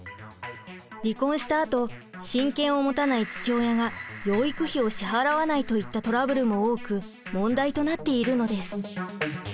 離婚したあと親権を持たない父親が養育費を支払わないといったトラブルも多く問題となっているのです。